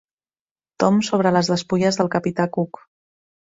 Tom sobre les despulles del capità Cook.